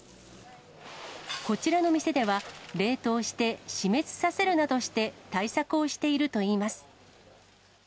こちらの店では、冷凍して死滅させるなどして、対策をしているといいます。